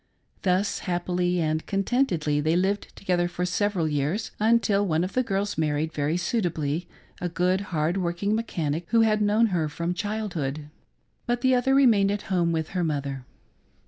Thus happily and contentedly they lived together for several years, until one of the girls married very suitably a good, hard working mechanic who had known her from ' childhood ; but the other remained at home with her mother.